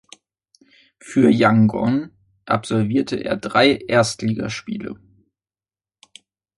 Für Yangon absolvierte er drei Erstligaspiele.